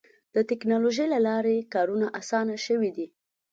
د ټکنالوجۍ له لارې کارونه اسانه شوي دي.